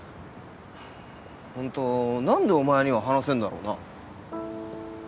ホント何でお前には話せんだろうな？